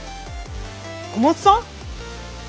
小松さん？